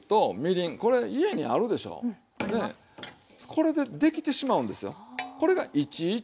これでできてしまうんですよ。